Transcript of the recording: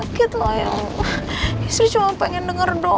aku masih harus sembunyikan masalah lo andin dari mama